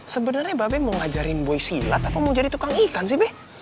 sebenernya mba be mau ngajarin boy silat apa mau jadi tukang ikan sih be